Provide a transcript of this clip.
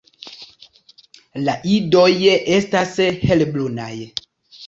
La idoj estas helbrunaj.